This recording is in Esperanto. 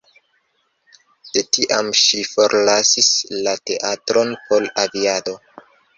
De tiam ŝi forlasis la teatron por aviado.